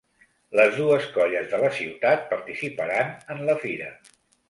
Les dues colles de la ciutat participaran en la fira.